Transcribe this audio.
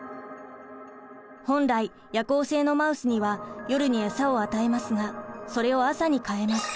本来夜行性のマウスには夜にエサを与えますがそれを朝に変えます。